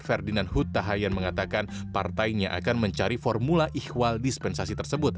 ferdinand huthahayan mengatakan partainya akan mencari formula ihwal dispensasi tersebut